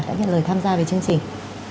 đã nhận lời tham gia về chương trình